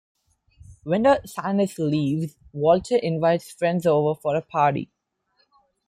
When the scientist leaves, Walter invites friends over for a party.